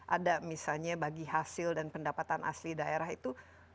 ada misalnya bagi hasil dan pendapatan asli daerah itu